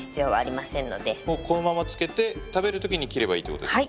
もうこのまま漬けて食べるときに切ればいいってことですか。